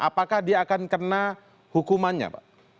apakah dia akan kena hukumannya pak